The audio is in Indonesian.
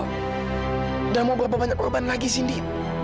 udah mau berapa banyak korban lagi sih indi